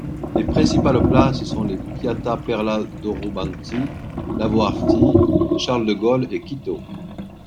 Les principales places sont les Piața Perla, Dorobanţi, Lahovari, Charles de Gaulle et Quito.